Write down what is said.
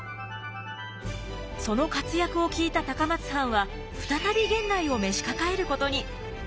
その活躍を聞いた高松藩は再び源内を召し抱えることに。